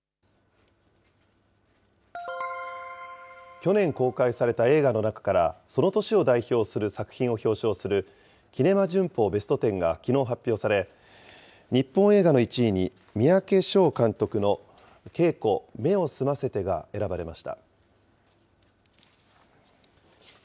去年公開された映画の中から、その年を代表する作品を表彰する、キネマ旬報ベスト・テンがきのう発表され、日本映画の１位に、三宅唱監督のケイコ目を澄ませてが選ばれました。